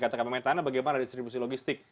katakan pemetaannya bagaimana distribusi logistik